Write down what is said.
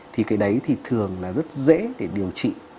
thì cái đấy thì thường là rất dễ để điều trị